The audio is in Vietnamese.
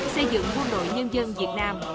xây dựng quân đội nhân dân việt nam